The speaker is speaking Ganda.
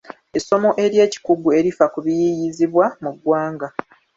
Essomo ery'ekikugu erifa ku biyiiyiizibwa mu ggwanga.